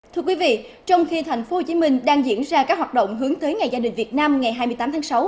thưa quý vị trong khi thành phố hồ chí minh đang diễn ra các hoạt động hướng tới ngày gia đình việt nam ngày hai mươi tám tháng sáu